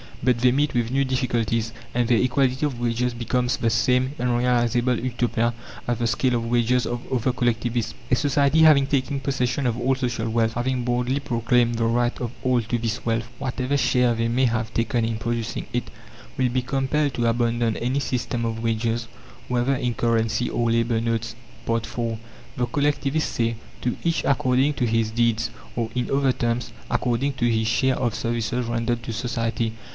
But they meet with new difficulties, and their equality of wages becomes the same unrealizable Utopia as the scale of wages of other collectivists. A society having taken possession of all social wealth, having boldly proclaimed the right of all to this wealth whatever share they may have taken in producing it will be compelled to abandon any system of wages, whether in currency or labour notes. IV The collectivists say, "To each according to his deeds"; or, in other terms, according to his share of services rendered to society.